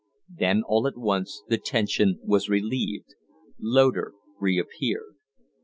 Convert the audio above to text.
Then all at once the tension was relieved.. Loder reappeared.